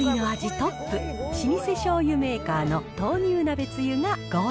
トップ、老舗しょうゆメーカーの豆乳鍋つゆが５位。